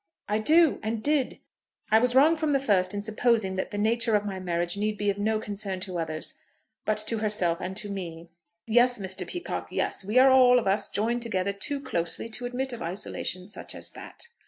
"I do, and did. I was wrong from the first in supposing that the nature of my marriage need be of no concern to others, but to herself and to me." "Yes, Mr. Peacocke; yes. We are, all of us, joined together too closely to admit of isolation such as that."